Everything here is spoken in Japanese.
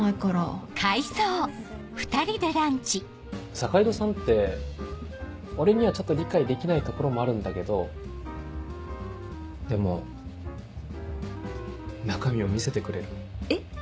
坂井戸さんって俺にはちょっと理解できないところもあるんだけどでも中身を見せてくれるえっ